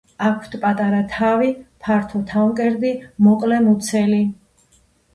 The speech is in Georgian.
აქვთ პატარა თავი, ფართო თავმკერდი, მოკლე მუცელი.